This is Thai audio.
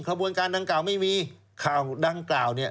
ขบวนการดังกล่าวไม่มีข่าวดังกล่าวเนี่ย